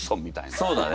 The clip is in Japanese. そうだね。